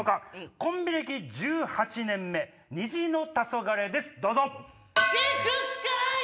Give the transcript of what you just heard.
コンビ歴１８年目虹の黄昏ですどうぞ。